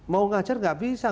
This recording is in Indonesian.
mau ngajar gak bisa